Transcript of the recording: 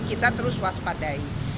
kita terus waspadai